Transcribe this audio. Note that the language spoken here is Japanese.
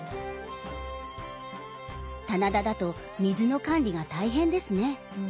棚田だと水の管理が大変ですね。